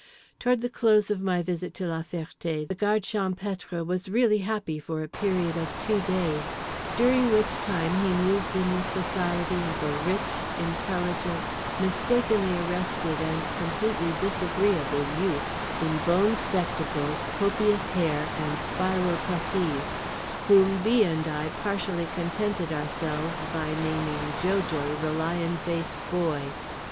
Toward the close of my visit to La Ferté the Guard Champêtre was really happy for a period of two days—during which time he moved in the society of a rich, intelligent, mistakenly arrested and completely disagreeable youth in bone spectacles, copious hair and spiral putees, whom B. and I partially contented ourselves by naming Jo Jo The Lion Faced Boy.